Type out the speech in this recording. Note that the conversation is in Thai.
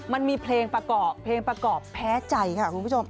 มันมีเพลงประกอบเพลงประกอบแพ้ใจค่ะคุณผู้ชม